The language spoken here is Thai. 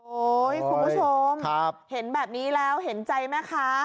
คุณผู้ชมเห็นแบบนี้แล้วเห็นใจแม่ค้า